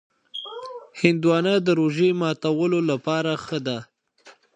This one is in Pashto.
هندوانه د روژې ماتولو لپاره ښه ده.